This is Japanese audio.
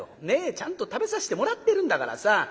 ねえちゃんと食べさせてもらってるんだからさ